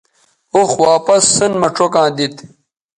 اوخ واپس سین مہ چوکاں دیتھ